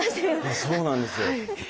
そうなんですよ。